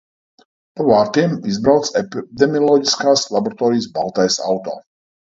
Pa vārtiem izbrauc epidemiloģiskās laboratorijas baltais auto.